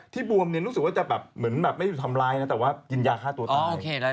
ที่บวมรู้สึกว่าจะเหมือนไม่อยู่ทำร้ายแต่ว่ากินยาฆ่าตัวตาย